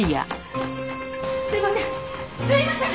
すいません！